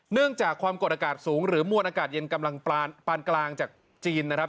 เนื่องจากความกดอากาศสูงหรือมวลอากาศเย็นกำลังปานกลางจากจีนนะครับ